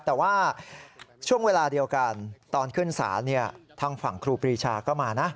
แต่ว่าช่วงเวลาเดียวกันตอนขึ้นศาลทางฝั่งครูปรีชาก็มานะ